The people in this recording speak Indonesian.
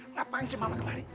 ngapain sih mama kemarin